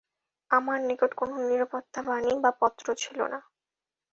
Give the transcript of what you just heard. আমার নিকট কোন নিরাপত্তা বাণী বা পত্র ছিল না।